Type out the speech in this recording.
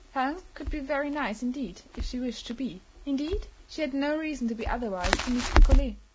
Helen could be very nice indeed, if she wished to be; indeed, she had no reason to be otherwise to Miss Picolet.